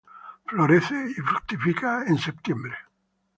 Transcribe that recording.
Florece y fructifica en septiembre.